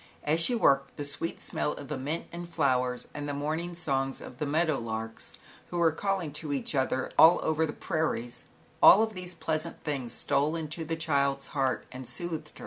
As she worked the sweet smell of the mint and flowers and the morning song of the meadow larks, who were calling to each other all over the 11 r ^_i_ i ^1 i prairies; ail or these pleasant things stole into the child's heart and soothed her.